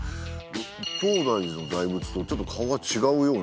東大寺の大仏とちょっと顔がちがうような。